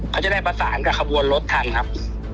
เขาจะได้ประสานกับขบวนรถทันครับ